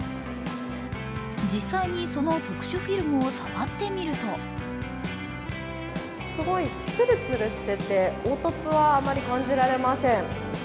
実際にその特殊フィルムを触ってみるとすごいツルツルしてて、凹凸はあまり感じられません。